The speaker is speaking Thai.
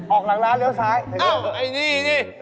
ออกหลังร้านเหลือซ้ายอ้าวไอ้นี่